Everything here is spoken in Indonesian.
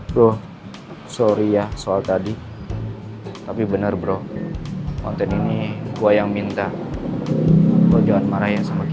bro sorry ya soal tadi tapi benar bro konten ini gua yang minta gue jangan marahin sama kita